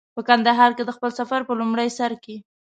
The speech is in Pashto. په کندهار کې د خپل سفر په لومړي سر کې.